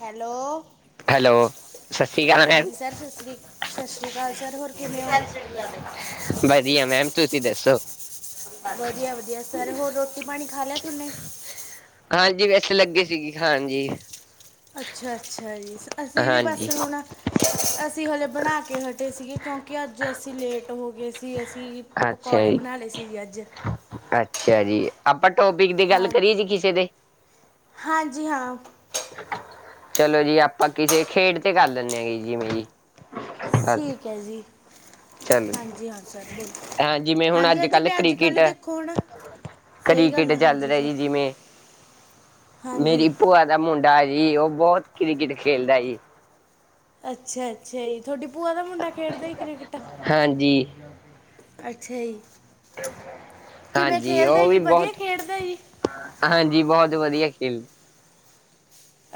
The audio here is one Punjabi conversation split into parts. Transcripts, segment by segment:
ਹੈਲੋ। ਹੈਲੋ, ਸਤਿ ਸ਼੍ਰੀ ਅਕਾਲ ਮੈਮ, ਹਾਂਜੀ ਸਰ ਸਸਰੀ- ਸ਼ਸਰੀਕਾਲ ਸਰ ਹੋਰ ਕਿਮੇ ਓ? ਵਧੀਆ ਮੈਮ ਤੁਸੀਂ ਦੱਸੋ? ਵਧੀਆ -ਵਧੀਆ ਸਰ ਹੋਰ ਰੋਟੀ- ਪਾਣੀ ਖਾ ਲਿਆ ਤੁਨੇ? ਹਾਂਜੀ ਬਸ ਲੱਗੇ ਸੀਗੇ ਖਾਣ ਜੀ। ਅੱਛਾ -ਅੱਛਾ ਜੀ, ਅਸੀਂ ਵੀ ਬਸ ਹਾਂਜੀ। ਹੁਣ ਅਸੀਂ ਹਲੇ ਬਣਾ ਕੇ ਹਟੇ ਸੀਗੇ ਕਿਉਂਕਿ ਅੱਜ ਅਸੀਂ ਲੇਟ ਹੋਗੇ ਸੀ ਅਸੀਂ ਅੱਛਿਆ ਪਕੌੜੇ ਬਣਾ ਲਏ ਜੀ- ਸੀ ਅੱਜ ਅੱਛਿਆ ਜੀ। ਆਪਾਂ ਟੋਪਿਕ ਦੇ ਗੱਲ ਹਾਂ ਕਰੀਏ ਜੀ ਕਿਸੇ ਦੇ। ਹਾਂਜੀ ਹਾਂ। ਚਲੋ ਜੀ, ਆਪਾਂ ਕਿਸੇ ਖੇਡ ਤੇ ਕਰ ਲੈਨੇ ਆ ਜਿਮੇ ਜੀ। ਠੀਕ ਐ ਜੀ। ਚਲੋ ਜੀ, ਹਾਂਜੀ ਹਾਂ ਸਰ ਬੋਲੋ ਏ ਜਿਮੇ ਹੁਣ ਹਾਂਜੀ ਅੱਜ -ਕੱਲ ਮੈਂ ਕ੍ਰਿਕਟ ਕੱਲ੍ਹ ਏ। ਦੇਖੋ ਹੁਣ ਸਹੀ ਗੱਲ ਕ੍ਰਿਕਟ ਆ ਚੱਲ ਹਾਂਜੀ ਰਿਆ ਸਰ ਜੀ ਜਿਮੇ, ਹਾਂਜੀ ਮੇਰੀ ਪੈ੍ ਦਾ ਮੁੰਡਾ ਐ ਜੀ ਓ ਬੋਤ ਕ੍ਰਿਕਟ ਖੇਲਦੈ ਜੀ। ਅੱਛਾ-ਅੱਛਾ, ਜੀ ਥੋਡੀ ਭੂਆ ਦਾ ਮੁੰਡਾ ਖੇਡਦੇ ਜੀ ਕ੍ਰਿਕਟ? ਹਾਂਜੀ। ਅੱਛਾ ਜੀ, ਕਿਮੇ ਹਾਂਜੀ ਖੇਲਦੈ ਉਹ ਜੀ, ਵੀ ਵਦੀਆ ਬਹੁਤ, ਖੇਡਦੈ ਜੀ? ਹਾਂਜੀ, ਬੋਤ ਵਦੀਆ ਖੇਲ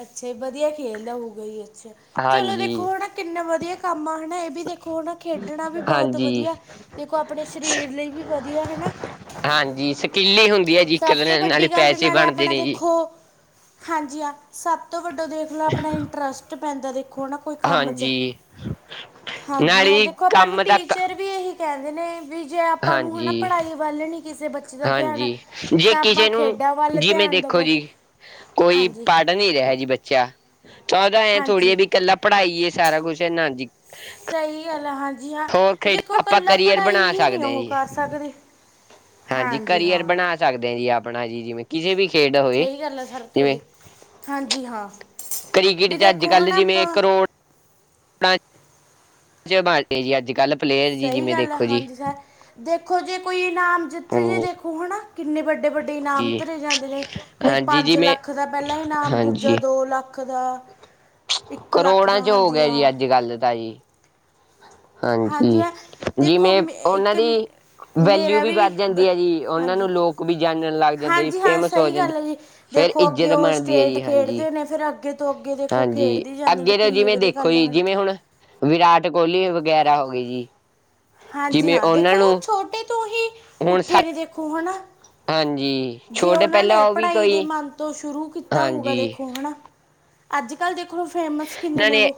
ਅੱਛਾ ਵਧੀਆ ਖੇਲਦਾ ਹੋਊਗਾ ਜੀ ਅੱਛਾ। ਚਲੋ ਦੇਖੋ ਹਾਂਜੀ, ਹੁਨ ਆ ਕਿੰਨਾ ਵਧੀਆ ਕੰਮ ਆ ਹੈਨਾ ਏਹ ਬੀ ਦੇਖੋ ਖੇਡਨਾ ਬੀ ਬੋਹਤ ਹਾਂਜੀ। ਵਧੀਆ ਦੇਖੋ ਆਪਨੇ ਸ਼ਰੀਰ ਲਈ ਵਧੀਆ ਹੈਨਾ। ਹਾਂਜੀ, ਸਕਿਲ ਈ ਹੁੰਦੀ ਆ ਜੀ ਇੱਕ ਤੋਂ ਤਰਾਂ ਨਾਲੇ ਵੱਡੀ ਗੱਲ ਪੈਸੇ ਨਾਲੇ ਬਨਦੇ ਆਪਣਾ ਨੇ ਜੀ। ਦੇਖੋ ਹਾਂਜੀ ਆ, ਸਬ ਤੋਂ ਵੱਡਾ ਦੇਖ ਲੋ ਆਪਨਾ ਇੰਟਰਸਟ ਪੈਂਦਾ ਦੇਖੋ ਨਾ। ਕੋਈ ਕੰਮ 'ਚ ਹਾਂਜੀ ਹਾਂਜੀ, ਨਾਲੇ ਦੇਖੋ ਆਪਾਂ ਨੂੰ ਕੰਮ ਦਾ ਟੀਚਰ ਵੀ ਏਹੀ ਕੈਂਦੇ ਨੇ, ਵੀ ਜੇ ਆਪਾਂ ਨੂੰ ਹਾਂਜੀ ਹਨਾ ਪੜਾਈ ਵੱਲ ਨੀ ਕਿਸੇ ਬੱਚੇ ਦਾ ਧੇਆਨ ਹਾਂਜੀ ਜੇ ਕਿਸੇ ਨੂੰ, ਜਿਮੇਂ ਦੇਖੋ ਦੇਵੋ ਜੀ ਕੋਈ ਹਾਂਜੀ ਪ ਨੀਂ ਰੇਐ ਜੀ ਬੱਚਾ ਤਾਂ ਓਦਾ ਐਂ ਥੋੜੀ ਐ ਹਾਂਜੀ ਬੀ ਕੱਲਾ ਪੜਾਈ ਏ ਸਾਰਾ ਕੁਛ, ਨਾਂ ਜੀ ਸਈ ਗੱਲ ਐ, ਹਾਂਜੀ ਹਾਂ, ਹੋਰ ਖੇਡ ਦੇਖੋ ਆਪਾਂ ਕੱਲਾ ਕਰੀਅਰ ਪੜਈ ਬਣਾ ਹੀ ਨੀਂ ਸਕਦੇ ਹਾਂ ਓਹ ਜੀ ਕਰ ਸਕਦੀ। ਹਾਂਜੀ, ਕਰੀਅਰ ਬਨਾ ਸਕਦੇ ਆ ਜੀ, ਆਪਨਾ ਜੀ ਜਿਵੇਂ ਕਿਸੇ ਵੀ ਖੇਡ ਹੋਏ ਸਈ ਗੱਲ ਐ ਸਰ ਜਿਵੇਂ ਥੋਡੀ ਹਾਂਜੀ, ਹਾਂ। ਕ੍ਰਿਕਟ ਬੀ ਚ ਦੇਖੋ ਹੈਨਾ ਆਪਾਂ [unintelligible] ਅੱਜ-ਕੱਲ ਪਲੇਅਰ ਜੀ, ਸਹੀ ਜਿਮੇਂ ਗੱਲ ਹੈ ਦੇਖੋ ਜੀ। ਹਾਂਜੀ ਸਰ ਦੇਖੋ, ਜੇ ਕੋਈ ਨਾਮ ਜਿੱਤ ਜੇ ਹਾਂਜੀ ਦੇਖੋ ਹਨਾ ਕਿੰਨੇ ਵੱਡੇ-ਵੱਡੇ ਇਨਾਮ ਜੀ ਧਰੇ ਜਾਂਦੇ ਨੇ, ਕੋਈ ਹਾਂਜੀ ਪੰਜ ਜਿਵੇਂ ਲੱਖ ਦਾ ਪੈਲਾਂ ਇਨਾਮ, ਦੂਜਾ ਹਾਂਜੀ ਦੋ ਲੱਖ ਦਾ ਇੱਕ ਲੱਖ ਦਾ ਕਰੋੜਾਂ 'ਚ ਹੋ ਹਾਂਜੀ ਗੇਆ ਹਾਂ ਜੀ, ਅੱਜ- ਕੱਲ ਤਾਂ ਜੀ। ਹਾਂਜੀ, ਹਾਂ ਦੇਖੋ ਜਿਮੇਂ ਓਨਾਂ ਇੱਕ ਦੀ ਵੈਲਿਊ ਵੀ ਵੱਧ ਜਾਂਦੀ ਐ ਜੀ, ਓਨਾਂ ਹਾਂਜੀ ਨੂੰ ਲੋਕ ਵੀ ਜਾਨਣ ਲੱਗ ਜਾਂਦੇ ਜੀ ਹਾਂਜੀ ਹਾਂ ਫੇਮਸ ਹੋ ਸਹੀ ਜਾਂਦੇ ਗੱਲ ਹੈ ਜੀ ਫਿਰ ਦੇਖੋ ਅੱਗੇ ਇੱਜਤ ਉਹ ਬਣਦੀ ਐ ਸਟੇਟ ਜੀ, ਹਾਂਜੀ, ਖੇਡਦੇ ਨੇ ਫਿਰ ਅੱਗੇ ਤੋਂ ਅੱਗੇ ਦੇਖੋ ਹਾਂਜੀ, ਖੇਡਦੀ ਜਾਂਦੇ ਨੇ ਅੱਗੇ ਤੋਂ ਕਿੰਨੀ ਜਿਵੇਂ ਵਧੀਆ ਦੇਖੋ ਗੱਲ ਜੀ, ਹੈ ਹਨਾ ਜਿਵੇਂ ਹੁਣ ਵਿਰਾਟ ਕੋਲੀ ਵਗੈਰਾ ਹੋ ਗਏ ਜੀ। ਹਾਂਜੀ ਜਿਵੇਂ ਹਾਂ, ਉਹਨਾਂ ਦੇਖੋ ਓ ਨੂੰ ਛੋਟੇ ਤੋਂ ਹੀ ਹੁਣ ਉੱਠੇ ਨੇ ਦੇਖੋ ਹਨਾ, ਹਾਂਜੀ ਜੇ ਛੋਟੇ ਓਨਾਂ ਨੇ ਪਹਿਲਾਂ ਉਹ ਵੀ ਪੜਾਈ ਦੇ ਕੋਈ ਤੋਂ ਸ਼ੁਰੂ ਕੀਤਾ ਹੋਊਗਾ ਹਾਂਜੀ ਦੇਖੋ ਹਨਾ, ਅੱਜ-ਕੱਲ ਦੇਖੋ ਫੇਮਸ ਕਿੰਨੇ ਨੇ ਓ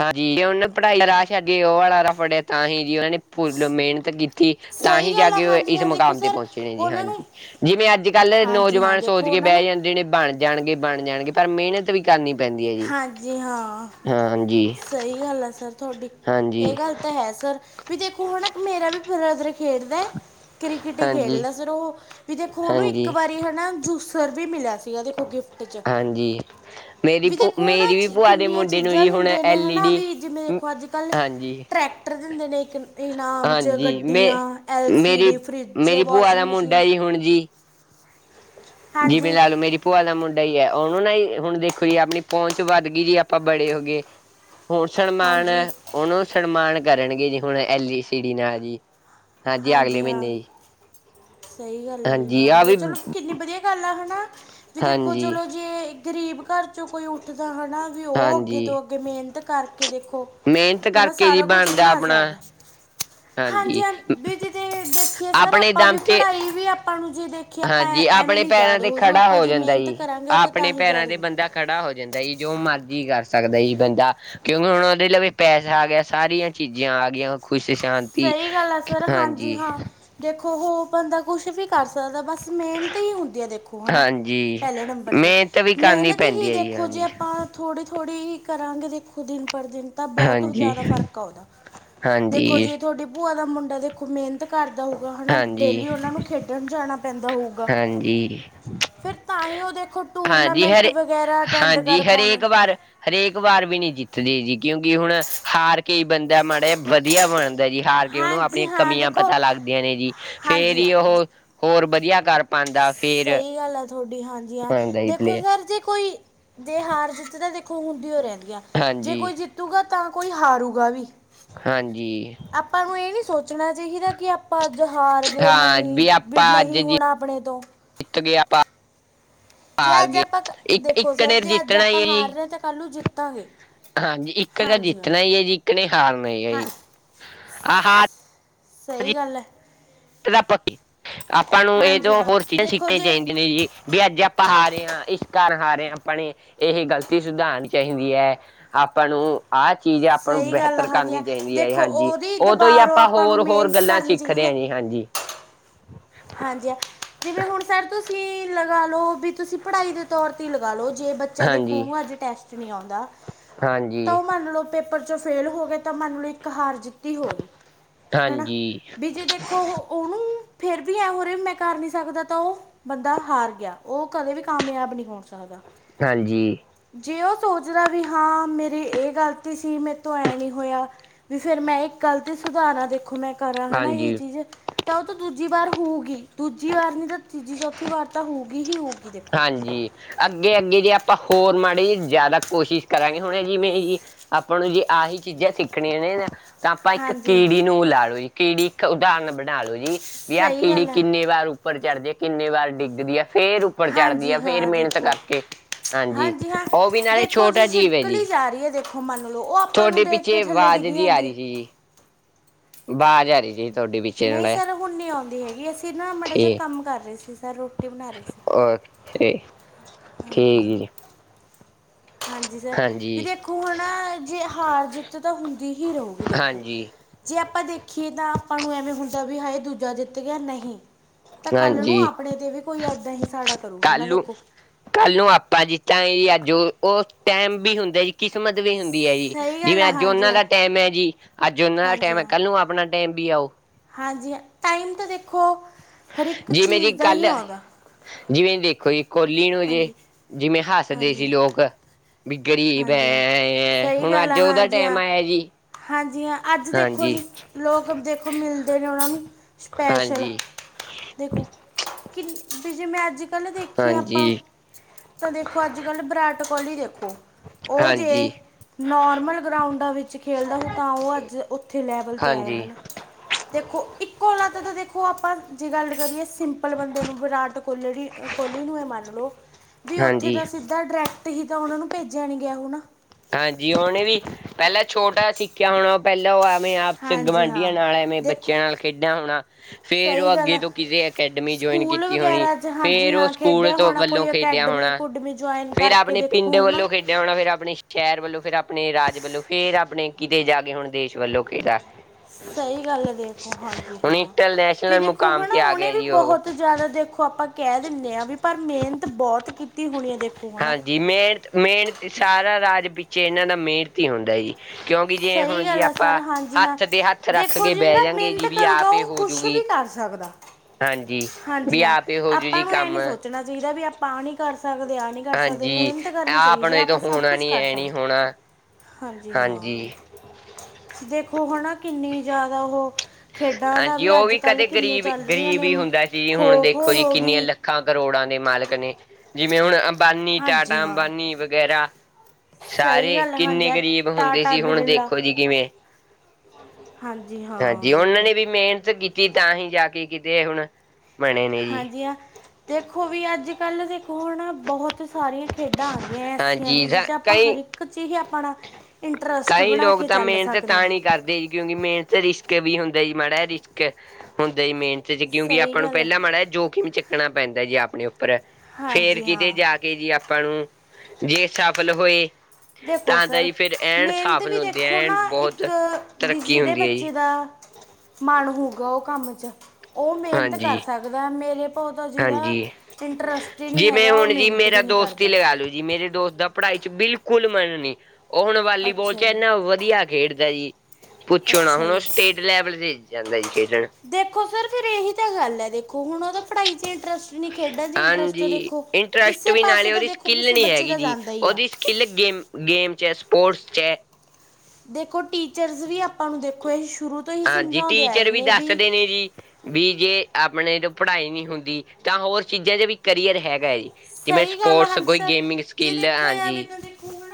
ਹਾਂਜੀ ਜੇ ਓਨੇ ਪੜਾਈ ਦਾ ਰਾਹ ਛੱਡ ਕੇ, ਓ ਵਾਲਾ ਰਾਹ ਫੜੇਆ ਤਾਂ ਹੀ ਜੀ ਓਨਾਂ ਨੇ ਫੁਲ ਮੇਹਨਤ ਕੀਤੀ ਤਾਂ ਹੀ ਸਹੀ ਜਾ ਗੱਲ ਆ ਕੇ ਓ ਹਾਂਜੀ ਇਸ ਹਾਂ ਦੇਖੋ ਮੁਕਾਮ ਤੇ ਸਰ ਪਹੁੰਚੇ ਨੇ ਜੀ ਉਹਨਾਂ ਨੂੰ ਹਾਂਜੀ। ਜਿਵੇਂ ਅੱਜ ਕੱਲ ਹਾਂਜੀ ਹਾਂ ਨੌਜਵਾਨ ਸੋਚ ਦੇਖੋ ਕੇ ਉਹਨਾਂ ਬੈਹ ਨੂੰ ਜਾਂਦੇ ਨੇ, ਬਣ ਜਾਣਗੇ, ਬਣ ਜਾਣਗੇ ਪਰ ਮੇਹਨਤ ਵੀ ਕਰਨੀ ਪੈਂਦੀ ਐ ਜੀ, ਹਾਂਜੀ। ਸਈ ਗੱਲ ਐ, ਸਰ ਥੁਆਡੀ ਹਾਂਜੀ ਏਹ ਗੱਲ ਤਾਂ ਹੈ ਸਰ, ਵੀ ਦੇਖੋ ਹਨਾ ਮੇਰਾ ਵੀ ਫਿਰ ਬਰਦਰ ਖੇਡਦਾ ਕ੍ਰਿਕਟ ਈ ਹਾਂਜੀ ਖੇਲਦਾ ਸਰ ਓ ਵੀ ਦੇਖੋ ਓਨੂੰ ਇੱਕ ਹਾਂਜੀ ਵਾਰੀ ਹਨਾ ਹਨਾ ਜੂਸਰ ਵੀ ਮਿਲੇਆ ਸੀਗਾ ਦੇਖੋ ਗਿਫ਼ਟ 'ਚ ਹਾਂਜੀ। ਮੇਰੀ ਵੀ ਭੂ ਦੇਖੋ ਹਨਾ ਮੇਰੀ ਵੀ ਚ- ਭੂਆ ਦੇ ਕਿੰਨੀਆਂ ਮੁੰਡੇ ਨੂੰ ਚੀਜ਼ਾਂ ਜੀ, ਹੁਣ ਦਿੰਦੇ ਨੇ ਐਲ ਈ ਹਨਾ ਡੀ ਵੀ ਜਿਵੇਂ ਦੇਖੋ ਅੱਜ ਕੱਲ ਹਾਂਜੀ ਟਰੈਕਟਰ ਦਿੰਦੇ ਨੇ, ਇੱਕ ਇਨਾਮ 'ਚ ਹਾਂਜੀ ਮੇ ਗੱਡੀਆਂ, ਐਲ -ਸੀ- ਮੇਰੀ ਡੀ, ਫਰਿੱਜ ਮੇਰੀ ਭੂਆ ਦਾ ਮੁੰਡੈ ਜੀ ਹੁਣ ਜੀ, ਜਿਵੇਂ ਹਾਂਜੀ ਲਾ ਲੋ ਮੇਰੀ ਭੂਆ ਦਾ ਮੁੰਡਾ ਈ ਐ ਓਨੂੰ ਨਾ ਜੀ ਹੁਨ ਦੇਖੋ ਜੀ, ਆਪਣੀ ਪੋੰਚ ਵੱਧ ਗਈ ਜੀ, ਆਪਾਂ ਬੜੇ ਹੋ ਗਏ। ਹੁਣ ਸਣਮਾਨ ਹਾਂਜੀ ਓਨੂੰ ਸਣਮਾਨ ਕਰਨਗੇ ਜੀ, ਹੁਣ ਐਲ-ਈ-ਸੀ-ਡੀ ਨਾਲ ਜੀ। ਹਾਂਜੀ, ਅਗਲੇ ਮੀਨੇ ਜੀ। ਸਈ ਗੱਲ ਐ, ਆਹ ਹਾਂਜੀ ਵੀ ਚਲੋ ਕਿੰਨੀ ਬਦੀਆ ਗੱਲ ਆ ਹਨਾ ਵੀ ਦੇਖੋ ਹਾਂਜੀ ਚਲੋ ਜੇ ਗ਼ਰੀਬ ਘਰ ਚ ਕੋਈ ਉਠਦਾ ਹਨਾ ਵੀ ਉਹ ਅੱਗੇ ਹਾਂਜੀ ਤੋਂ ਅੱਗੇ ਮਿਹਨਤ ਕਰਕੇ ਦੇਖੋ ਮਿਹਨਤ ਹਨਾ ਕਰਕੇ ਜੀ ਸਾਰਾ ਕੁਛ ਬਣਦਾ ਬਣਾ ਆਪਣਾ ਸਕਦੇ ਆ। ਹਾਂਜੀ। ਵੀ ਜੇ ਦੇਖੀਏ ਸਰ ਆਪਣੇ ਆਪਾਂ ਦਮ ਵੀ ਤੇ ਪੜ੍ਹਾਈ ਵੀ ਆਪਾਂ ਨੂੰ ਜੇ ਦੇਖੀਏ ਆਪਾਂ ਹਾਂਜੀ ਐਵੇਂ ਆਪਣੇ ਨੀ ਪੈਰਾਂ ਯਾਦ ਤੇ ਹੋਜੂ ਖੜਾ ਆਪਾਂ ਹੋ ਜੇ ਜਾਂਦਾ ਮਿਹਨਤ ਜੀ ਕਰਾਂਗੇ ਉਹ ਤੇ ਤਾਂ ਆਪਣੇ ਹੀ ਪੈਰਾਂ ਯਾਦ ਤੇ ਹੋਊ। ਬੰਦਾ ਖੜਾ ਹੋ ਜਾਂਦਾ ਜੀ ਜੋ ਮਰਜ਼ੀ ਕਰ ਸਕਦਾ ਜੀ ਬੰਦਾ। ਕਿਉਂਕਿ ਹੁਣ ਉਹਦੇ ਲਵੇ ਪੈਸਾ ਆ ਗਿਆ ਸਾਰੀਆਂ ਚੀਜ਼ਾਂ ਆ ਗਈਆਂ ਖੁਸ਼ ਸ਼ਾਂਤ ਸਹੀ ਗੱਲ ਹੈ ਸਰ ਹਾਂਜੀ ਹਾਂ। ਦੇਖੋ ਹੋ ਬੰਦਾ ਕੁਛ ਵੀ ਕਰ ਸਕਦਾ ਬਸ ਮਿਹਨਤ ਹੀ ਹੁੰਦੀ ਹੈ ਦੇਖੋ। ਉਹ ਹ ਨਾ ਹਾਂਜੀ ਪਹਿਲੇ ਨੰਬਰ ਤੇ ਮਿਹਨਤ ਵੀ ਕਰਨੀ ਮਿਹਨਤ ਹੀ ਪੈਂਦੀ ਹੈ ਦੇਖੋ ਜੇ ਜੀ ਆਪਾਂ ਥੋੜ੍ਹੀ ਥੋੜ੍ਹੀ ਕਰਾਂਗੇ। ਦੇਖੋ, ਦਿਨ ਪਰ ਦਿਨ। ਤਾਂ ਬਹੁਤ ਹਾਂਜੀ ਜ਼ਿਆਦਾ ਹਾਂਜੀ ਫ਼ਰਕ ਆ ਉਹਦਾ। ਦੇਖੋ ਹਾਂਜੀ ਜੇ ਤੁਹਾਡੀ ਭੂਆ ਦਾ ਮੁੰਡਾ ਦੇਖੋ ਮਿਹਨਤ ਕਰਦਾ ਹੋਊਗਾ ਹਨਾ ਹਾਂਜੀ ਡੇਲੀ ਉਹਨਾਂ ਨੂੰ ਖੇਡਣ ਜਾਣਾ ਪੈਂਦਾ ਹੋਊਗਾ ਹਾਂਜੀ ਫਿਰ ਤਾਂ ਹੀ ਉਹ ਦੇਖੋ ਹਾਂਜੀ ਟੂਰਨਾਮੈਂਟ ਹਰੇਕ ਵਗੈਰਾ ਅਟੈਂਡ ਹਾਂਜੀ ਕਰ ਪਾਉਂਦੇ ਹਰੇਕ ਨੇ। ਵਾਰ ਹਰੇਕ ਵਾਰ ਵੀ ਨੀ ਜਿੱਤਦੇ ਜੀ ਕਿਉਂਕਿ ਹੁਣ ਹਾਰ ਕੇ ਹੀ ਬੰਦਾ ਮਾੜਾ ਜਿਆ ਵਧੀਆ ਬਣ। ਬਣਦਾ ਜੀ। ਹਾਰ ਕੇ ਉਹਨੂੰ ਹਾਂਜੀ ਆਪਣੀਆਂ ਹਾਂ ਕਮੀਆਂ ਦੇਖੋ ਪਤਾ ਲੱਗਦੀਆਂ ਨੇ ਜੀ, ਫੇਰ ਹਾਂਜੀ ਹਾਂ ਹੀ ਜ- ਉਹੋ ਹੋਰ ਵਧੀਆ ਕਰ ਪਾਂਦਾ। ਸਹੀ ਗੱਲ ਆ ਤੁਹਾਡੀ ਹਾਂਜੀ ਹਾਂ। ਜੀ ਦੇਖੋ, ਪਲੇਅਰ ਸਰ ਜੇ ਕੋਈ ਜੇ ਹਾਰ ਜਿੱਤ ਤਾਂ ਦੇਖੋ ਹੁੰਦੀਉ ਰਹਿੰਦੀਆ, ਜੇ ਹਾਂਜੀ ਕੋਈ ਜਿੱਤੂਗਾ ਤਾਂ ਕੋਈ ਹਾਰੂਗਾ ਵੀ। ਹਾਂਜੀ ਆਪਾਂ ਨੂੰ ਇਹ ਨਹੀਂ ਸੋਚਣਾ ਚਾਹੀਦਾ ਕਿ ਆਪਾਂ ਅੱਜ ਹਾਰ ਗਏ ਨਹੀਂ ਵੀ ਨਹੀਂ ਹੁਣ ਆਪ ਆਪਣੇ ਤੋਂ ਤੇ ਅੱਗੇ ਆਪਾਂ ਜੇ ਹਾਰ ਅੱਜ ਗਏ ਆਪਾਂ, ਇੱਕ ਦੇਖੋ ਇੱਕ ਜੇ ਨੇ ਅੱਜ ਜਿੱਤਣਾ ਹੀ ਆਪਾਂ ਹੈ ਜੀ ਹਾਰ ਰਹੇ ਆ ਤੇ ਕੱਲ ਨੂੰ ਜਿੱਤਾਂਗੇ। ਹਾਂਜੀ, ਇੱਕ ਨੇ ਹਾਂਜੀ ਹਾਂ ਜਿੱਤਣਾ ਹੀ ਹੈ ਜੀ ਇੱਕ ਨੇ ਹਾਰਨਾ ਈ ਹੈ ਹਾਂ ਜੀ। ਆਹਾ ਸਹੀ ਗੱਲ ਹੈ ਚੱਲ ਆਪਾ ਕਿ ਆਪਾਂ ਨੂੰ ਇਹ ਜੋ ਹਾਂਜੀ ਹਾਂ ਹੋਰ ਚੀਜ਼ਾਂ ਦੇਖੋ ਸਿੱਖਣ ਜੇ ਚਾਹੀਦੀਆਂ ਨੇ ਜੀ ਵੀ ਅੱਜ ਆਪਾਂ ਹਾਰੇ ਆ, ਇਸ ਕਾਰਨ ਹਾਰੇ ਹਾਂ ਆਪਾ ਨੇ ਇਹ ਗ਼ਲਤੀ ਸੁਧਾਰਨੀ ਚਾਹੀਦੀ ਹੈ। ਆਪਾਂ ਨੂੰ ਆਹ ਚੀਜ਼ ਆਪਾਂ ਨੂੰ ਸਹੀ ਗੱਲ ਆ, ਬਿਹਤਰ ਹਾਂਜੀ ਹਾਂ ਕਰਨੀ ਚਾਹੀਦੀ ਹੈ। ਦੇਖੋ ਹਾਂਜੀ, ਉਹਦੀ ਉਹ ਤੋਂ ਹੀ ਦੁਬਾਰੋਂ ਆਪਾਂ ਨੂੰ ਹੋਰ ਹੋਰ ਮਿਹਨਤ ਗੱਲਾਂ ਕਰਨੀ ਚਾਹੀਦੀ ਸਿੱਖਦੇ ਹੈ ਹਾਂ ਜੀ। ਹਾਂਜੀ ਹਾਂਜੀ ਆ, ਜਿਵੇਂ ਹੁਣ ਸਰ ਤੁਸੀਂ ਲਗਾ ਲਓ ਵੀ ਤੁਸੀਂ ਪੜ੍ਹਾਈ ਦੇ ਤੌਰ ਤੇ ਲਗਾ ਲਓ ਜੇ ਬੱਚ ਬੱਚਾ ਅੱਜ ਦੇਖੋ, ਹਾਂਜੀ ਉਹਨੂੰ ਅੱਜ ਟੈਸਟ ਨੀਂ ਆਉਂਦਾ ਹਾਂਜੀ ਤਾਂ ਹਾਂਜੀ ਉਹ ਮੰਨ ਲਓ ਪੇਪਰ ਚੋਂ ਫੇਲ ਹੋ ਗਏ ਤਾਂ ਮੰਨ ਲਉ ਇੱਕ ਹਾਰ ਜਿੱਤੀ ਹੋ ਗਈ ਹਨਾ ਹਾਂਜੀ ਵੀ ਜੇ ਦੇਖ ਦੇਖੋ, ਉਹਨੂੰ ਫੇਰ ਵੀ ਐ ਹੋ ਰਿਹਾ ਮੈਂ ਕਰ ਨੀ ਸਕਦਾ ਤਾਂ ਉਹ ਬੰਦਾ ਹਾਰ ਗਿਆ, ਉਹ ਕਦੇ ਵੀ ਕਾਮਯਾਬ ਨਹੀਂ ਹੋ ਸਕਦਾ। ਹਾਂਜੀ ਜੇ ਉਹ ਸੋਚਦਾ ਵੀ ਹਾਂ ਮੇਰੀ ਇਹ ਗਲਤੀ ਸੀ ਮੈਤੋ ਐਂ ਨਹੀਂ ਹੋਇਆ ਵੀ ਫਿਰ ਮੈਂ ਇੱਕ ਗਲਤੀ ਸੁਧਾਰਾਂ। ਦੇਖੋ, ਮੈਂ ਕਰਾਂ ਹਨਾ ਇਹ ਹਾਂਜੀ ਚੀਜ਼ ਤਾਂ ਉਹਤੋ ਦੂਜੀ ਵਾਰ ਹੋਊਗੀ, ਦੂਜੀ ਵਾਰ ਨੀ ਤਾਂ ਤੀਜੀ ਚੌਥੀ ਵਾਰ ਤਾਂ ਹੋਊਗੀ ਹੀ ਹੋਊਗੀ। ਦੇਖੋ ਹਾਂਜੀ, ਅੱਗੇ ਅੱਗੇ ਜੇ ਆਪਾਂ ਹੋਰ ਮਾੜੀ ਜੀ ਜ਼ਿਆਦਾ ਕੋਸ਼ਿਸ਼ ਕਰਾਂਗੇ, ਹੁਣ ਜਿਵੇਂ ਜ ਆਪਾਂ ਨੂੰ ਜੇ ਆਹੀ ਚੀਜ਼ਾਂ ਸਿੱਖਣੀਆਂ ਨੇ ਨਾ ਤਾਂ ਆਪਾਂ ਇੱਕ ਹਾਂਜੀ ਹਾਂ ਕੀੜੀ ਨੂੰ ਲਾ ਲਓ ਜੀ, ਕੀੜੀ ਇੱਕ ਉਦਾਹਰਨ ਬਣਾ ਲੋ ਜੀ। ਵੀ ਆਹ ਸਹੀ ਕੀੜੀ ਗੱਲ ਹੈ ਕਿੰਨੇ ਵਾਰ ਉੱਪਰ ਚੜ੍ਹਦੀ ਹੈ ਕਿੰਨੇ ਵਾਰ ਡਿੱਗਦੀ ਹੈ ਫੇਰ ਫੇਰ ਉੱਪਰ ਚੜ੍ਹਦੀ ਹਾਂਜੀ ਆ, ਫੇਰ ਹਾਂ ਮੇਨਤ ਦੇਖੋ ਕਰਕੇ। ਹਾਂਜੀ, ਹਾਂ ਓ ਵੀ ਨਾਲੇ ਦੇਖੋ ਜੀ ਛੋਟਾ ਜੀਵ ਐ ਛਿਪਕਲੀ ਜੀ, ਜਾ ਰਹੀ ਹੈ ਦੇਖੋ ਮੰਨ ਲਓ ਉਹ ਆਪਾਂ ਨੂੰ ਥੋਡੇ ਪਿੱਛੇ ਦੇਖ ਕੇ ਪਿੱਛੇ ਥੱਲੇ ਵਾਜ ਡਿੱਗ ਜਾਂਦੀ ਆਜੇ ਹੈ ਗੀ। ਬਾਜ ਆ ਰੀ ਸੀ ਥੋਡੀ ਵੀ। ਨਈਂ ਸਰ ਹੁਣ ਨੀਂ ਆਉਂਦੀ ਹੈਗੀ, ਅਸੀਂ ਨਾ ਮਾੜਾ ਜੇਆ ਕੰਮ ਕਰ ਰੇ ਸੀ ਸਰ ਓ। ਉਕੇ। ਹਾਂਜੀ, ਹਾਂ। ਹਾਂਜੀ ਸਰ ਵੀ ਹਾਂਜੀ ਦੇਖੋ, ਹੈਂਨਾ ਜੇ ਹਾਰ ਜਿੱਤ ਤਾਂ ਹੁੰਦੀ ਹੀ ਰਹੂਗੀ ਦੇਖੋ। ਹਾਂਜੀ ਜੇ ਆਪਾਂ ਦੇਖੀਏ ਤਾਂ ਆਪਾਂ ਨੂੰ ਐਵੇਂ ਹੁੰਦਾ ਵੀ ਹਾਏ ਦੂਜਾ ਜਿੱਤ ਗਿਆ, ਨਹੀਂ ਤਾਂ ਕੱਲ ਨੂੰ ਹਾਂਜੀ ਆਪਣੇ ਤੇ ਵੀ ਕੋਈ ਏਦਾਂ ਹੀ ਸਾੜਾ ਕਰੂ ਹੈਨਾ ਕੱਲ ਨੂੰ ਦੇਖੋ। ਕੱਲ ਨੂੰ ਆਪਾਂ ਜਿੱਤਾਂਗੇ ਜੀ, ਅੱਜ ਓ ਊਸ ਟੈਮ ਵੀ ਹੁੰਦਾ, ਕਿਸਮਤ ਵੀ ਹੁੰਦੀ। ਹੁੰਦੀ ਹੈ ਜੀ, ਸਹੀ ਗੱਲ ਆ ਜਿਵੇਂ ਅੱਜ ਹਾਂਜੀ ਓਨਾਂ ਹਾਂ ਦਾ ਟੈਮ ਐਜੀ‌ ਅੱਜ ਓਨਾਂ ਦਾ ਹਾਂਜੀ ਟੈਮ ਐ, ਹਾਂ ਕੱਲ ਨੂੰ ਆਪਣਾ ਟਾਈਮ ਵੀ ਆਓ। ਹਾਂਜੀ ਹਾਂ, ਟਾਈਮ ਤਾਂ ਦੇਖੋ ਹਰਿੱਕ ਜਿਵੇਂ ਜੀ ਚੀਜ ਦਾ ਹੀ ਕੱਲ ਆਉਂਦਾ। ਜਿਵੇਂ ਦੇਖੋ ਜੀ ਕੋਹਲੀ ਨੂੰ ਜੇ, ਹਾਂਜੀ ਜਿਵੇਂ ਹੱਸਦੇ ਸੀ ਹਾਂਜੀ ਹਾਂ ਲੋਕ ਬਈ ਗਰੀਬ ਹਾਂਜੀ ਹਾਂ ਹੈ [unintelligible] ਸਹੀ ਹੁਣ ਗੱਲ ਅੱਜ ਆ ਓਦਾ ਹਾਂਜੀ ਟਾਇਮ ਹਾਂ ਆਇਆ ਜੀ। ਹਾਂਜੀ, ਹਾਂ। ਅੱਜ ਦੇਖੋ ਹਾਂਜੀ ਜੀ, ਲੋਕ ਦੇਖੋ ਮਿਲਦੇ ਨੇ ਓਨਾਂ ਨੂੰ ਸਪੈਸ਼ਲ। ਹਾਂਜੀ ਦੇਖੋ ਕਿ ਵੀ ਜੇ ਮੈਂ ਅੱਜ-ਕੱਲ ਦੇਖੇਆਂ ਹਾਂਜੀ ਤਾਂ ਦੇਖੋ ਅੱਜ-ਕੱਲ ਵਿਰਾਟ ਕੋਹਲੀ ਦੇਖੋ ਹਾਂਜੀ। ਨੋਰਮਲ ਗਰਾਊਂਡਾਂ ਵਿੱਚ ਖੇਲਦਾ ਹੋਊ ਤਾਂ ਓ ਅੱਜ ਉੱਥੇ ਲੈਵਲ 'ਤੇ ਆਇਆ, ਹਾਂਜੀ ਹਨਾ। ਦੇਖੋ, ਇੱਕੋ ਲਤ ਤਾਂ ਦੇਖੋ ਆਪਾਂ ਜੇ ਗੱਲ ਕਰੀਏ ਸਿੰ ਲ ਬੰਦੇ ਨੂੰ ਵਿਰਾਟ ਕੋਹਲੜੀ ਕੋਹਲੀ ਨੂੰ ਈ ਮੰਨ ਲਓ ਵੀ, ਉੱਥੇ ਹਾਂਜੀ ਤਾਂ ਅਸੀ ਤਾਂ ਡਾਇਰੈਕਟ ਹੀ ਤਾਂ ਓਨਾਂ ਨੂੰ ਭੇਜਿਆ ਨੀ ਗਿਆ ਹਣਾ ਹਾਂਜੀ, ਓਨੇ ਵੀ ਪੈਲਾਂ ਛੋਟਾ ਸਿੱਖਿਆ ਹੋਣਾ, ਪੈਲਾਂ ਓ ਆ ਅਪਨੇ ਆਪ ਹਾਂਜੀ ਗਵਾਂਢੀਆ ਹਾਂ ਨਾਲ ਐਵੇਂ ਦੇਖੋ ਬੱਚਿਆਂ ਨਾਲ ਖੇਡੇਆਂ ਹੋਣਾ, ਫੇਰ ਓ ਸਹੀ ਗੱਲ ਅੱਗੇ ਆ। ਤੋ ਕਿਸੇ ਅਕੈਡਮੀ ਜੁਆਇਨ ਸਕੂਲ ਕੀਤੀ ਹੋਣੀ ਵਗੈਰਾ 'ਚ ਹਾਂਜੀ ਫੇਰ, ਓ ਹਾਂ ਸਕੂਲ ਖੇਡਿਆ ਤੋਂ ਹੋਣਾ ਵੱਲੋਂ ਕੋਈ ਖੇਡਿਆ ਅਕੈਡਮੀ ਹੋਣਾ- ਕੁਡਮੀ ਜੁਆਇਨ ਫੇਰ ਕਰਕੇ ਆਪਣੇ ਪਿੰਡ ਦੇਖੋ ਹਨਾ ਵੱਲੋਂ ਖੇਡਿਆ ਹੋਣਾ, ਫਿਰ ਆਪਣੇ ਸ਼ੈਰ ਵੱਲੋਂ ਫੇਰ ਆਪਣੇ ਰਾਜ ਵੱਲੋ, ਫੇਰ ਆਪਣੇ ਕਿੱਤੇ ਜਾ ਕੇ ਹੁਣ ਦੇਸ਼ ਵੱਲੋਂ ਖੇਡਿਆ। ਸਈ ਗੱਲ ਆਐ ਦੇਖੋ, ਹਾਂਜੀ। ਹੁਣ ਹਾਂ ਇੰਟਰਲਨੈਸ਼ਨਲ। ਵੀ ਦੇਖੋ ਹਨਾ, ਓਹਨੇ ਵੀ ਬੋਤ ਜਾਦਾ ਦੇਖੋ ਆਪਾਂ ਕੈ ਦਿੰਨੇ ਆਂ ਵੀ ਪਰ ਮੇਨਤ ਬਹੋਤ ਕੀਤੀ। ਤੀ ਹੋਣੀ ਦੇਖੋ, ਹਨਾ। ਜੀ ਮੇਨਤ ਮੇਨਤ ਸਾਰਾ ਰਾਜ ਪਿੱਛੇ, ਏਨਾਂ ਦਾ ਮੇਨਤ। ਹੁੰਦਾ ਜੀ, ਕਿਉਂਕਿ ਜੇ ਹੁਣ ਸਹੀ ਜੀ ਗੱਲ ਆ ਸਰ ਆਪਾਂ ਹਾਂਜੀ ਹਾਂ ਹੱਥ ਤੇ ਹੱਥ ਰੱਖ ਦੇਖੋ ਕੇ ਬੈ ਜਿਹੜਾ ਜਾਂਗੇ ਮਿਹਨਤ ਜੀ। ਵੀ ਕਰੂਗਾ ਆਪ ਹੀ ਉਹ ਕੁਝ ਹੋਜੂਗੀ ਵੀ ਕਰ ਸਕਦਾ ਹਾਂਜੀ, ਵੀ ਆਪ ਹੀ ਹੋਜੂ ਜੀ ਕੰਮ ਜਿਦਾ ਵੀ ਆਪਾਂ ਆ ਨੀ ਕਰ ਸਕਦੇ, ਆ ਨੀ ਸਕਦੇ ਹਾਂਜੀ ਮੇਨਤ ਕਰਨੀ ਆਹ ਚਾਈਦੀ, ਜੇ ਆਪਣੇ ਤੋਂ ਆਪਾਂ ਸਭ ਹੋਣਾ ਕੁੱਝ ਨੀ ਕਰ ਐ ਸਕਦੇ, ਨੀ ਹੋਣਾ ਹਾਂਜੀ ਹਾਂ। ਦੇਖੋ ਹਨਾ, ਕਿੰਨੀ ਜਾਦਾ ਓਹੋ ਹਾਂਜੀ, ਓ ਵੀ ਕਦੇ ਗਰੀਬ ਚੱਲ ਰਹੀਆਂ ਗਰੀਬ ਨੇ ਈ ਹੁੰਦਾ ਸੀ ਜੀ ਹੁਣ ਖੋ ਖੋ ਦੇਖੋ, ਜੀ ਹੋ ਕਿੰਨੀਆਂ ਗਈ ਲੱਕ ਖਾਂ ਕਰੋੜਾਂ ਦੇ ਮਾਲਕ ਨੇ ਜਿਵੇਂ, ਹੁਣ ਅੰਬਾਨੀ, ਹਾਂਜੀ ਟਾਟਾ ਹਾਂ ਅੰਬਾਨੀ ਵਗੈਰਾ ਸਾਰੇ ਸਹੀ ਗੱਲ ਹੈ, ਹਾਂਜੀ ਕਿੰਨੇ ਆ ਗਰੀਬ ਹੁੰਦੇ ਟਾਟਾ ਸੀ ਹੁਣ ਬਿਰਲਾ ਦੇਖੋ ਜੀ, ਕਿਵੇਂ ਹਾਂਜੀ ਹਾਂ। ਜੇ ਓਨਾਂ ਦੇਖੋ ਨੇ ਵੀ ਮੇਨਤ ਕੀਤੀ ਤਾਂ ਹੀ ਜਾ ਕੇ ਕਿਤੇ ਹੁਣ ਬਣੇ ਨੇ ਜੀ ਹਾਂਜੀ ਹਾਂ ਦੇਖੋ, ਵੀ ਅੱਜ-ਕੱਲ ਦੇਖੋ ਹੁਣ ਬਹੋਤ ਸਾਰੀਆਂ ਖੇਡਾਂ ਆਗੀਆਂ, ਐਸੀਆਂ ਵੀ ਹਾਂਜੀ ਜਿਸ ਆਪਾਂ ਹਰ ਕਈ ਇੱਕ'ਚ ਹੀ ਆਪਣਾ ਇੰਟਰਸਟ ਬਣਾਕੇ ਚੱਲ ਸਕਦੇ ਆਂ। ਮੇਹਨਤ ਰਿਸਕ ਵੀ ਹੁੰਦਾ ਜੀ, ਮਾੜਾ ਰਿਸਕ, ਹੁੰਦਾ ਜੀ ਮਿਹਨ ਕਿਉਂਕਿ ਸਹੀ ਆਪਾਂ ਨੂੰ ਗੱਲ ਹੈ, ਪਹਿਲਾਂ ਮਾੜਾ ਜੋਖੀਮ ਚੁੱਕਣਾ ਪੈਂਦਾ ਜੀ ਆਪਣੇ ਉੱਪਰ ਐ, ਫੇਰ ਹਾਂਜੀ ਕਿਤੇ ਹਾਂ ਜਾ ਕੇ ਜੀ ਆਪਾਂ ਨੂੰ, ਜੇ ਸਫਲ ਹੋਏ ਦੇਖੋ ਤਾਂ ਤਾਂ ਸਰ, ਜੀ ਫਿਰ ਐਨ ਮਿਹਨਤ ਸਫਲ ਵੀ ਹੁੰਦੇ ਦੇਖੋ ਐਨ ਨਾ ਬਹੁਤ ਇੱਕ, ਬੀ ਤਰੱਕੀ ਜੀਦੇ ਹੁੰਦੀ ਹੈ ਜੀ ਬੱਚੇ ਦਾ ਮਨ ਹੋਊਗਾ ਉਹ ਕੰਮ'ਚ, ਉਹ ਮਿਹਨਤ ਹਾਂਜੀ ਕਰ ਸਕਦਾ, ਮੇਰੇ ਭਾਉ ਤਾਂ ਜਿਹਦਾ ਹਾਂਜੀ, ਇੰਟਰਸਟ ਹੀ ਨਹੀਂ ਜਿਵੇਂ ਹੈਗਾ ਉਹ ਹੁਣ ਜੀ ਮਿਹਨਤ ਮੇਰਾ ਵੀ ਨਹੀਂ ਦੋਸਤ ਹੀ ਕਰਦਾ ਲਗਾਲੋ ਜੀ, ਮੇਰੇ ਦੋਸਤ ਦਾ ਪੜ੍ਹਾਈ'ਚ ਬਿਲਕੁਲ ਮੰਨ ਨੀ, ਉਹ ਹੁਣ ਵਾਲੀਬੋਲ'ਚ ਅੱਛਾ ਜੀ ਇੰਨਾ ਵਧੀਆ ਖੇਡਦਾ ਜੀ। ਪੁੱਛੋ ਨਾ ਅੱਛਾ ਹੁਣ ਉਹ ਜੀ ਸਟੇਟ ਲੈਵਲ ਤੇ ਜਾਂਦਾ ਜੀ ਖੇਡਣ। ਦੇਖੋ ਸਰ ਫਿਰ ਇਹੀ ਤਾ ਗੱਲ ਐ ਦੇਖੋ, ਹੁਣ ਉਹਦਾ ਪੜ੍ਹਾਈ'ਚ ਇੰਟਰਸ ਖੇਡਾਂ ਦੀ ਇੰਟਰਸਟ ਹਾਂਜੀ ਦੇਖੋ, ਇੰਟਰਸਟ ਕਿਸੇ ਵੀ ਪਾਸੇ ਨਾਲੇ ਦਾ ਉਹਦੀ ਦੇਖੋ ਸਕਿੱਲ ਕਿਸੇ ਨੀ ਬੱਚੇ ਹੈਗੀ ਦਾ ਜੀ ਜਾਂਦਾ ਈ ਆ। ਉਹਦੀ ਸਕਿੱਲ ਗੇਮ, ਗੇਮ 'ਚ ਐ ਸਪੋਰਟਸ 'ਚ ਐ। ਦੇਖੋ ਟੀਚਰਸ ਵੀ ਆਪਾਂ ਨੂੰ ਦੇਖੋ ਇਹ ਸ਼ੁਰੂ ਤੋਂ ਹੀ ਹਾਂਜੀ, ਸਮਝਾਉਂਦੇ ਆਏ ਟੀਚਰ ਵੀ ਨੇ ਦੱਸਦੇ ਨੇ ਜੀ। ਵੀ ਜੇ ਆਪਣੇ ਤੋਂ ਪੜ੍ਹਾਈ ਨਹੀਂ ਹੁੰਦੀ, ਤਾਂ ਹੋਰ ਚੀਜ਼ਾਂ 'ਚ ਵੀ ਕਰੀਅਰ ਹੈਗਾ ਹੈਜੀ। ਜਿਵੇਂ ਸਹੀ ਗੱਲ ਹੈ ਸ੍ਪੋਰਟਸ ਹਾਂਜੀ ਕੋਈ ਸਰ ਗੇਮਿੰਗ ਜੇ ਸਕਿੱਲ, ਦੇਖਿਆ ਜਾਵੇ ਹਾਂਜੀ। ਤਾਂ ਦੇਖੋ ਹੁਣ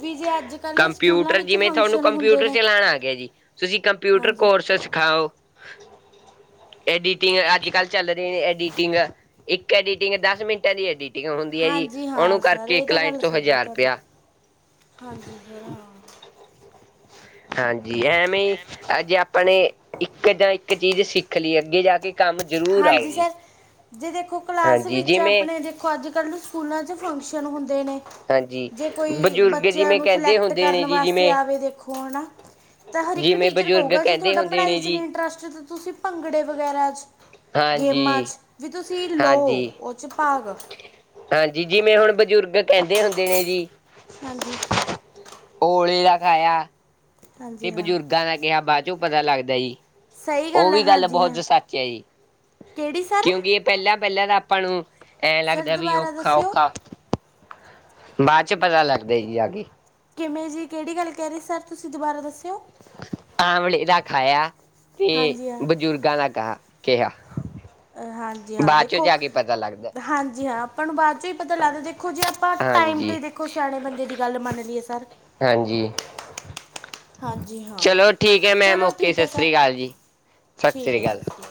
ਵੀ ਜੇ ਅੱਜ ਕੱਲ੍ਹ ਸਕੂਲਾਂ ਕੰਪਿਊਟਰ, ਵਿੱਚ ਜਿਵੇਂ ਥੋਨੂੰ ਫੰਕਸ਼ਨ ਹੁੰਦੇ ਕੰਪਿਊਟਰ ਨੇ ਚਲਾਣਾ ਆਗਿਆ ਜੀ, ਤੁਸੀਂ ਕੰਪ ਕੰਪਿਉਟਰ ਹਾਂਜੀ ਕੋਰਸ ਸਿਖਾਓ, ਐਡੀਟਿੰਗ ਅੱਜ-ਕੱਲ ਚੱਲ ਰਹੇ ਨੇ ਏਡੀਟਿੰਗ, ਇੱਕ ਏਡੀਟਿੰਗ ਦਸ ਮਿੰਟਾਂ ਦੀ ਐਡੀਟਿੰ ਠੀਕ ਹੁੰਦੀ ਆ ਜੀ, ਹਾਂਜੀ ਉਹਨੂੰ ਹਾਂ ਸਰ ਕਰਕੇ ਇਹ ਤਾਂ ਕਲਾਇੰਟ ਗੱਲ ਤੋਂ ਸਹੀ ਹੈ ਹਜ਼ਾਰ ਤੁਹਾਡੀ ਰੁਪਇਆ। ਹਾਂਜੀ, ਸਰ ਹਾਂ। ਹਾਂਜੀ, ਐਵੇਂ ਈ ਅੱਜੇ ਆਪਣੇ, ਇੱਕ ਜਾਂ ਇ ਇੱਕ ਚੀਜ਼ ਸਿੱਖ ਲਈ ਆ, ਅੱਗੇ ਜਾਕੇ ਕੰਮ ਜ਼ਰੂਰ ਆਉ ਹਾਂਜੀ ਜੀ। ਸਰ ਜੇ ਦੇਖੋ ਕਲਾਸ ਹਾਂਜੀ ਵਿੱਚ ਜਿਵੇਂ ਆਪਣੇ ਦੇਖੋ ਅੱਜ-ਕੱਲ ਸਕੂਲਾਂ 'ਚ ਫੰਕਸ਼ਨ ਹੁੰਦੇ ਨੇ। ਹਾਂਜੀ ਜੇ ਕੋਈ, ਬਜ਼ੁਰਗ ਬੱਚਿਆਂ ਜਿਵੇਂ ਨੂੰ ਕਹਿੰਦੇ ਸਿਲੈਕਟ ਹੁੰਦੇ ਕਰਨ ਨੇ ਜੀ ਵਾਸਤੇ ਜਿਵੇਂ ਆਵੇ ਦੇਖੋ, ਹਨਾ। ਤਾਂ ਹਰ ਇੱਕ ਜਿਵੇਂ ਟੀਚਰ ਬਜ਼ੁਰਗ ਕਹੂਗਾ, ਜੇ ਕਹਿੰਦੇ ਤੁਹਾਡਾ ਹੁੰਦੇ ਨੇ ਪੜ੍ਹਾਈ'ਚ ਨੀ ਜੀ ਇੰਨਟਰਸਟ ਤੁਸੀਂ, ਭੰਗੜੇ ਵਗੈਰਾ'ਚ ਗੇਮਾਂ ਹਾਂਜੀ 'ਚ ਵੀ ਤੁਸੀਂ ਲੋ, ਹਾਂਜੀ ਉਹ'ਚ ਭਾਗ। ਹਾਂਜੀ, ਜਿਵੇਂ ਹੁਣ ਬਜ਼ੁਰਗ ਕਹਿੰਦੇ ਹੁੰਦੇ ਨੇ ਜੀ। ਹਾਂਜੀ। ਔਲੇ ਦਾ ਖਾਇਆ, ਹਾਂਜੀ ਤੇ ਹਾਂ ਬਜ਼ੁਰਗਾਂ ਦਾ ਕਿਹਾ ਬਾਅਦ'ਚੋਂ ਪਤਾ ਲੱਗਦਾ ਜੀ। ਸਹੀ ਉਹ ਹੈ ਵੀ ਗੱਲ ਹਾਂਜੀ ਬਹੁਤ ਹਾਂ ਸੱਚ ਹੈ ਜੀ, ਕਿਹੜੀ ਸਰ ਕਿਉਂਕਿ ਪਹਿਲਾਂ-ਪਹਿਲਾਂ ਤਾਂ ਆਪਾਂ ਨੂੰ, ਐ ਸਰ ਲੱਗਦਾ ਵੀ ਦੁਬਾਰਾ ਦੱਸਿਓ ਔਖਾ-ਔਖਾ ਬਾਅਦ'ਚ ਪਤਾ ਲੱਗਦਾ ਜੀ ਆਕੇ। ਕਿਵੇਂ ਜੀ ਕਿਹੜੀ ਗੱਲ ਕਹਿ ਰਹੇ ਸਰ, ਤੁਸੀਂ ਦੁਬਾਰਾ ਦੱਸਿਓ? ਆਮਲੇ ਦਾ ਖਾਇਆ ਤੇ ਹਾਂਜੀ ਹਾਂ ਬਜ਼ੁਰਗਾਂ ਦਾ ਗਾ ਕਿਹਾ। ਹਾਂਜੀ-ਹਾਂ, ਬਾਅਦ ਚੋਂ ਦੇਖੋ, ਜਾ ਕੇ ਪਤਾ ਲੱਗਦਾ। ਹਾਂਜੀ-ਹਾਂ। ਆਪਾਂ ਨੂੰ ਬਾਅਦ'ਚੋ ਹ ਪਤਾ ਲੱਗਦਾ, ਦੇਖੋ ਜੇ ਆਪਾਂ ਟਾਈਮ ਤੋਂ ਹਾਂਜੀ ਈ ਦੇਖੋ ਸਿਆਣੇ ਬੰਦੇ ਦੀ ਗੱਲ ਮੰਨ ਲਈਏ ਸਰ। ਹਾਂਜੀ। ਹਾਂਜੀ ਹਾਂ ਚਲੋ ਠੀਕ ਹੈ ਮੈਮ ਚਲੋ ਓਕੇ, ਠੀਕ ਹੈ ਸਰ ਸਸ੍ਰੀ ਅਕਾਲ ਜੀ, ਠੀਕ ਸਸ੍ਰੀ ਹੈ ਅਕਾਲ। ਸਤਿ ਸ਼੍ਰੀ